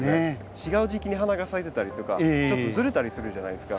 違う時期に花が咲いてたりとかちょっとずれたりするじゃないですか。